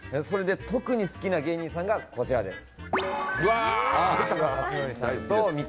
特に好きな芸人さんがこちらです。